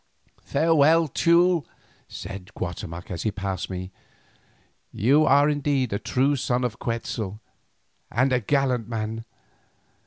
"Farewell, Teule," said Guatemoc as he passed me; "you are indeed a true son of Quetzal and a gallant man.